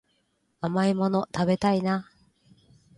甘いもの食べたいな